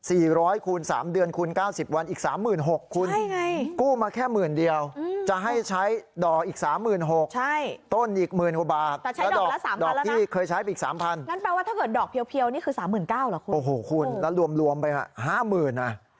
อีก๓๖๐๐๐หรอคุณกู้มาแค่หมื่นเดียวจะให้ใช้ดอกอีก๓๖๐๐๐บาทต้นอีกหมื่นหัวบาท